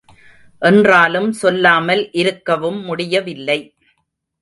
என்றாலும் சொல்லாமல் இருக்கவும் முடியவில்லை.